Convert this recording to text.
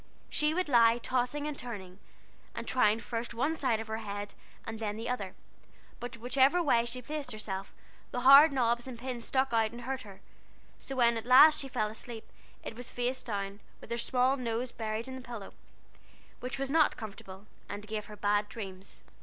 She would lie tossing, and turning, and trying first one side of her head and then the other; but whichever way she placed herself, the hard knobs and the pins stuck out and hurt her; so when at last she fell asleep, it was face down, with her small nose buried in the pillow, which was not comfortable, and gave her bad dreams.